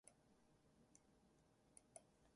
It is at the southern end of Famagusta Bay.